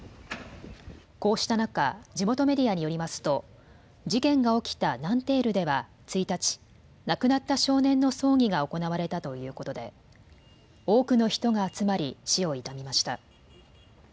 こうした中、地元メディアによりますと事件が起きたナンテールでは１日、亡くなった少年の葬儀が行われたということで多くの人が集まり死を悼みました。